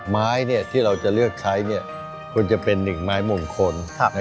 ไม้ที่เราจะเลือกใช้ควรจะเป็นหนึ่งไม้มงคล